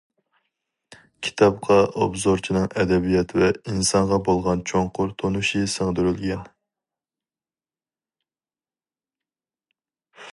كىتابقا ئوبزورچىنىڭ ئەدەبىيات ۋە ئىنسانغا بولغان چوڭقۇر تونۇشى سىڭدۈرۈلگەن.